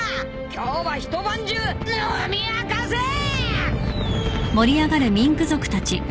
今日は一晩中飲み明かせぇ！